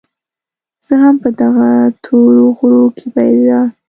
زه هم په دغه تورو غرو کې پيدا